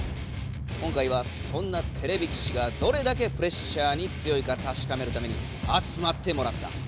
今回はそんなてれび騎士がどれだけプレッシャーに強いかたしかめるためにあつまってもらった。